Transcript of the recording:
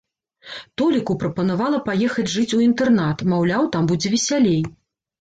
Толіку прапанавала паехаць жыць у інтэрнат, маўляў, там будзе весялей.